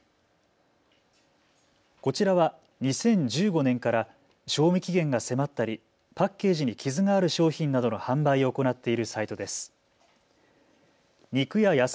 こちらは２０１５年から賞味期限が迫ったりパッケージに傷がある商品などの販売を行っているサイトです。